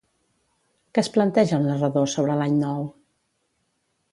Què es planteja el narrador sobre l'any nou?